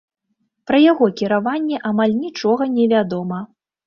Пра яго кіраванне амаль нічога не вядома.